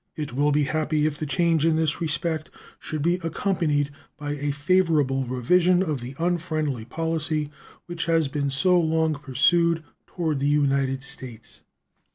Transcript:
It will be happy if the change in this respect should be accompanied by a favorable revision of the unfriendly policy which has been so long pursued toward the United States.